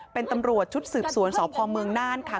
เป็นตำรวจชุดสืบสวนสพเมืองน่านค่ะ